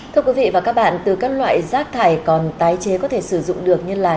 thưa quý vị và các bạn từ các loại rác thải còn tái chế có thể sử dụng được như là